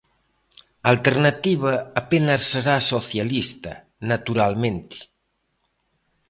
A alternativa apenas será socialista, naturalmente.